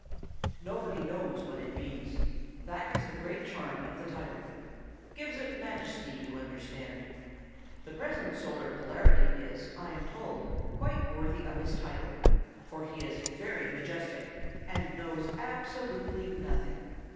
Nobody knows what it means. That is the great charm of the title. Gives it majesty, you understand. The present Solar Polarity is, I am told, quite worthy of his title, for he is very majestic, and knows absolutely nothing.